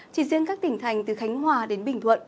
chỉ riêng các tỉnh thành từ khánh hòa đến bình thuận